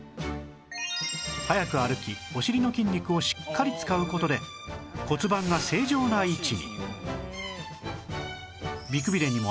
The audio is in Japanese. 早く歩きお尻の筋肉をしっかり使う事で骨盤が正常な位置に